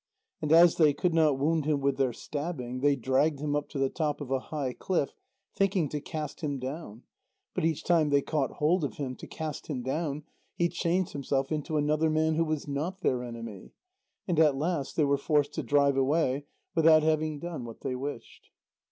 And as they could not wound him with their stabbing, they dragged him up to the top of a high cliff, thinking to cast him down. But each time they caught hold of him to cast him down, he changed himself into another man who was not their enemy. And at last they were forced to drive away, without having done what they wished.